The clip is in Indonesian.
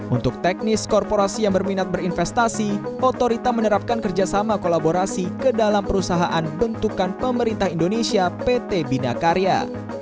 untuk teknis korporasi yang berminat berinvestasi otorita menerapkan kerjasama kolaborasi ke dalam perusahaan bentukan pemerintah indonesia pt binakarya